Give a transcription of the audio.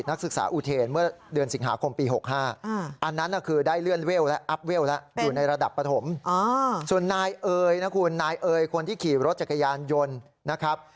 คนที่ขี่รถจักรยานยนต์นะครับ